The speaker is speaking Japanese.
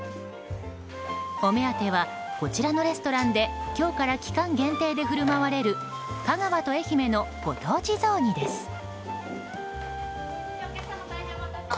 お目当てはこちらのレストランで今日から期間限定で振る舞われる香川と愛媛のご当地雑煮です。